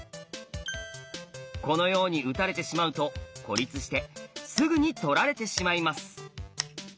このように打たれてしまうと孤立してすぐに取られてしまいます。